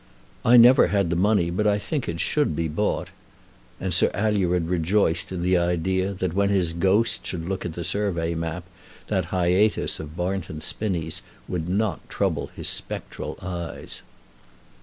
"I never had the money, but I think it should be bought." And Sir Alured rejoiced in the idea that when his ghost should look at the survey map, that hiatus of Barnton Spinnies would not trouble his spectral eyes.